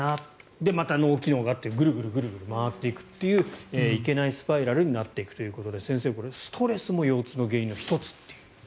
で、また脳機能がってグルグル回っていくといういけないスパイラルになっていくということで先生、ストレスも腰痛の原因の１つという。